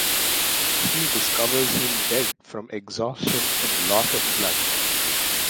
She discovers him dead from exhaustion and loss of blood.